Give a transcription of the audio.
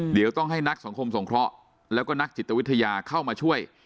เดี๋ยวต้องให้นักสังคมสงเคราะห์แล้วก็นักจิตวิทยาเข้ามาช่วย